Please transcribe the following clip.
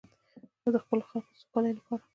او د خپلو خلکو د سوکالۍ لپاره.